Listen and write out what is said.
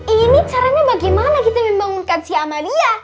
ini caranya bagaimana kita membangunkan si amalia